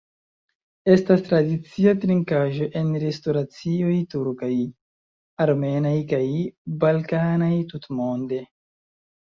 Estas tradicia trinkaĵo en restoracioj turkaj, armenaj kaj balkanaj tutmonde.